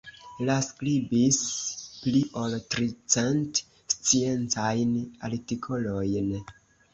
Li skribis pli ol tricent sciencajn artikolojn.